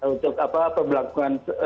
untuk apa perbelakuan